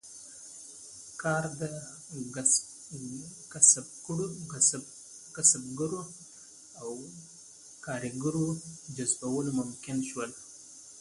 کار ته د کسبګرو او کارګرو جذبول ممکن شول.